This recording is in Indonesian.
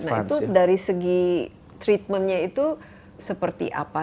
nah itu dari segi treatmentnya itu seperti apa